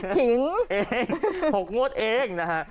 ขิงนะฮะ๖งวดเองนะฮะ